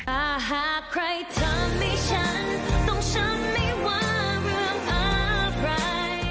อ่าหากใครทำให้ฉันต้องฉันไม่ว่าเรื่องอะไร